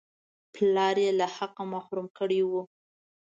پلار یې له حقه محروم کړی وو.